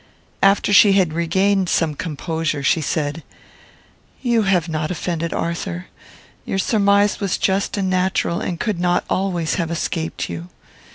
After she had regained some composure, she said, "You have not offended, Arthur. Your surmise was just and natural, and could not always have escaped you.